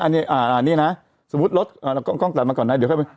อ่านเนี่ยอ่าอ่านเนี่ยนะสมมุติรถอ่ากล้องกลับมาก่อนนะเดี๋ยวเข้าไป